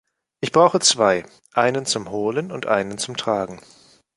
„Ich brauche zwei – einen zum Holen und einen zum Tragen.“